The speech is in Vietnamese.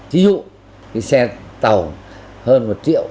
ví dụ xe tàu hơn một triệu